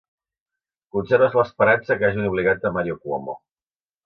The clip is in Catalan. Conserves l'esperança que hagin obligat a Mario Cuomo.